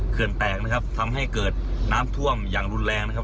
เขื่อนแตกนะครับทำให้เกิดน้ำท่วมอย่างรุนแรงนะครับ